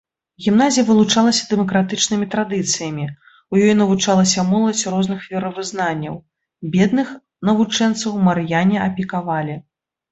Гімназія вылучалася дэмакратычнымі традыцыямі, у ёй навучалася моладзь розных веравызнанняў, бедных навучэнцаў марыяне апекавалі.